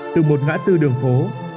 từ một ngã tư đường phố